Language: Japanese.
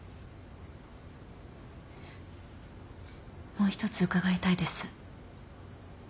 もう一つ伺いたいです。